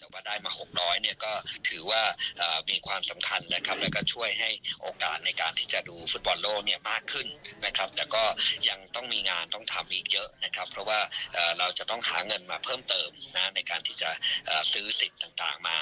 เพราะว่าเราจะต้องหาเงินมาเพิ่มเติมในการที่จะซื้อสิทธิ์ต่างมา